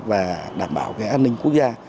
và đảm bảo cái an ninh quốc gia